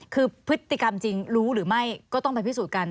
คือพฤติกรรมจริงรู้หรือไม่ก็ต้องไปพิสูจน์กัน